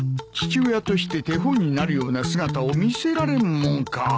父親として手本になるような姿を見せられんもんか